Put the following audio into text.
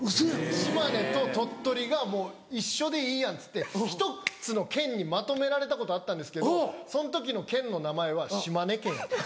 島根と鳥取がもう一緒でいいやんっつって１つの県にまとめられたことあったんですけどその時の県の名前は島根県なんです。